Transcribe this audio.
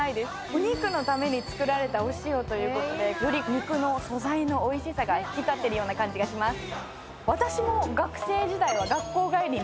お肉のために作られたお塩ということで、より肉の素材のおいしさが引き立っているような感じがします。